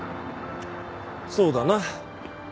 そうだな。